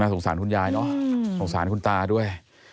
สงสารคุณยายเนอะสงสารคุณตาด้วย